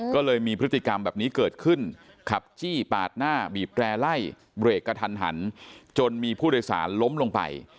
ก็เลยมีพฤติกรรมแบบนี้เกิดขึ้นขับจี้ปาดหน้าบีบแร่ไล่เบรกกระทันหันจนมีผู้โดยสารล้มลงไป